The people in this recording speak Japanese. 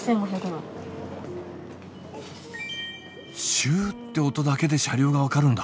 シュって音だけで車両が分かるんだ。